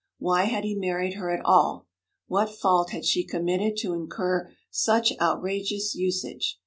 Why had he married her at all? What fault had she committed to incur such outrageous usage?